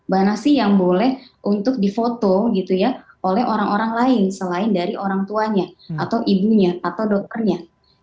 mana sih yang boleh untuk difoto gitu ya oleh orang orang lain selain dari orang tuanya atau ibunya atau dokternya